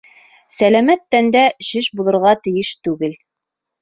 Сәләмәт тәндә шеш булырға тейеш түгел.